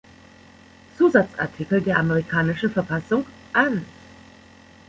Zusatzartikel der amerikanischen Verfassung an.